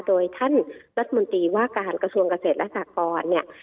โดยท่านรัฐมนตรีว่าการกระทรวงเกษตรและสากรเนี่ย